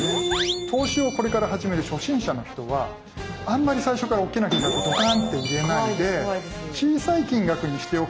投資をこれから始める初心者の人はあんまり最初から大きな金額をドカンって入れないで小さい金額にしておくとね